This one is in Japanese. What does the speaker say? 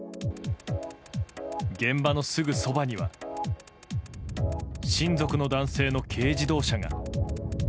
現場のすぐそばには親族の男性の軽自動車が。